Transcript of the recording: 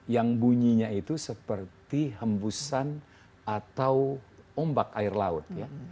yang bunyinya itu seperti hembusan atau ombak air laut